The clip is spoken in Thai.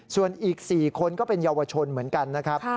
ส่วนอีก๔คนก็เป็นเยาวชนเหมือนกันนะครับ